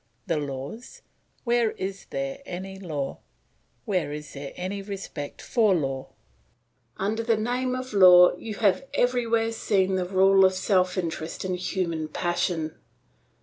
The laws! Where is there any law? Where is there any respect for law? Under the name of law you have everywhere seen the rule of self interest and human passion.